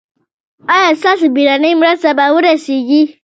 ایا ستاسو بیړنۍ مرسته به ورسیږي؟